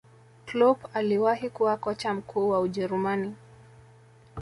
Kloop aliwahi kuwa kocha mkuu wa ujerumani